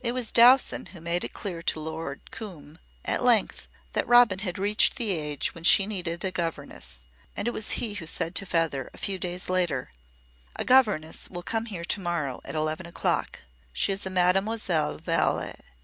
It was Dowson who made it clear to Lord Coombe, at length, that Robin had reached the age when she needed a governess, and it was he who said to Feather a few days later: "A governess will come here to morrow at eleven o'clock. She is a Mademoiselle Vallé.